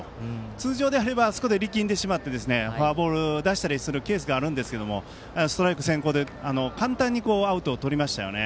通常であればあそこで力んでしまってフォアボール出したりするケースがありますがストライク先行で簡単にアウトをとりましたよね。